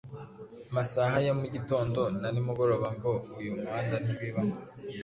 masaha ya mugitondo na nimugoroba ngo uyu muhanda ntibiba